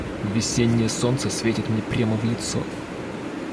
Весеннее солнце светит мне прямо в лицо.